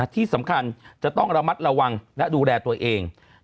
ที่สำคัญจะต้องระมัดระวังและดูแลตัวเอง